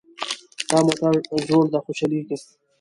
دا موټر زوړ ده خو چلیږي